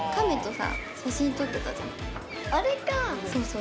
あれか！